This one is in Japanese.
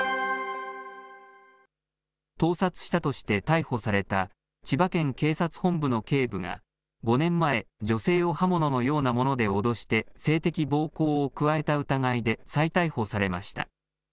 盗撮したとして逮捕された千葉県警察本部の警部が、５年前、女性を刃物のようなもので脅して、性的暴行を加えた疑いで再逮捕されました。